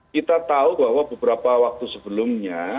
kita tahu bahwa beberapa waktu sebelumnya